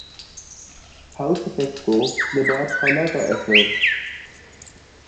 house effect کو نبات خانہ کا اثر